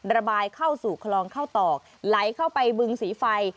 ระบายเข้าสู่คลองเข้าตอกไหลเข้าไปบึงสีไฟ